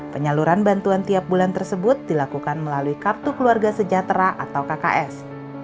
penyaluran bantuan tiap bulan tersebut dilakukan melalui kartu keluarga sejahtera atau kks